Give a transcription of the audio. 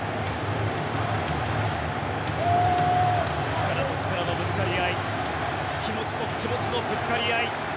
力と力のぶつかり合い気持ちと気持ちのぶつかり合い